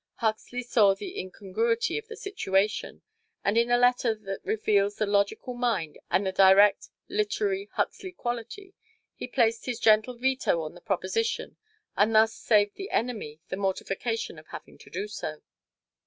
Huxley saw the incongruity of the situation, and in a letter that reveals the logical mind and the direct, literary, Huxley quality, he placed his gentle veto on the proposition and thus saved the "enemy" the mortification of having to do so.